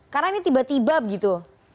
karena ini tiba tiba begitu